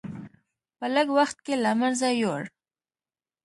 په لږ وخت کې له منځه یووړ.